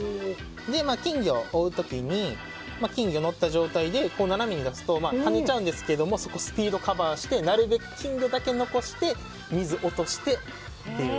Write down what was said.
金魚を追う時に金魚が乗った状態で斜めに出すとはねちゃうんですけどもスピードでカバーしてなるべく金魚だけ残して水を落としてっていう。